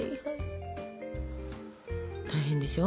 大変でしょ？